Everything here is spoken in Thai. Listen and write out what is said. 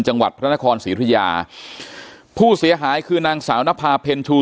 จังหวัดพระนครศรีธุยาผู้เสียหายคือนางสาวนภาเพ็ญชู